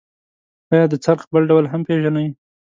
آیا د څرخ بل ډول هم پیژنئ؟